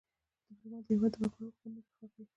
ډيپلومات د هېواد د وګړو د حقوقو دفاع کوي .